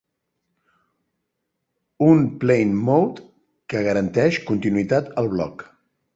Un plane mode que garanteix continuïtat al bloc.